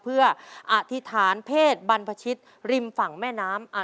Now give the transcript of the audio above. เจ้าชายศิษฐะทรงพนวทที่ริมฝั่งแม่น้ำใด